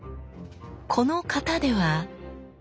この形では。